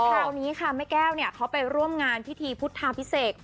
คราวนี้ค่ะแม่แก้วเขาไปร่วมงานพิธีพุทธาพิเศษ